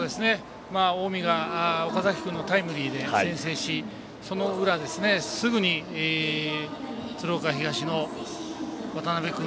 近江が岡崎君のタイムリーで先制しその裏ですねすぐに鶴岡東の渡辺君